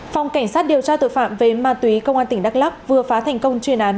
phòng cảnh sát điều tra tội phạm về ma túy công an tỉnh đắk lắc vừa phá thành công chuyên án